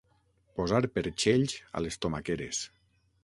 Posar perxells a les tomaqueres.